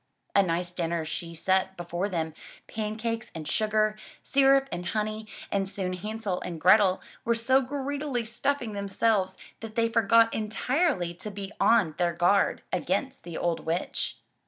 A nice dinner she set before them, pancakes and sugar, syrup and honey, and soon Hansel and Grethel were so greedily stuffing themselves that they forgot entirely to be on their guard against the old witch.